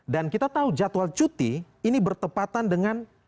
dan kita tahu jadwal cuti ini bertepatan dengan